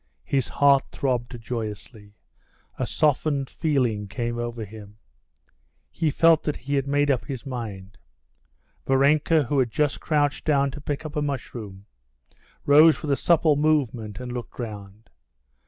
His heart throbbed joyously. A softened feeling came over him. He felt that he had made up his mind. Varenka, who had just crouched down to pick a mushroom, rose with a supple movement and looked round.